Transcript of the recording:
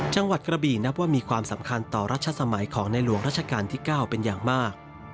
จังหวัดกระบีนับว่ามีความสำคัญต่อรัชสมัยของในหลวงราชการที่๙เป็นอย่างมาก